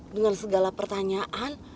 dengan segala pertanyaan